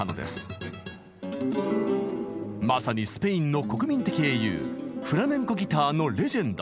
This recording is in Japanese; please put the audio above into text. まさにスペインの国民的英雄フラメンコギターのレジェンド。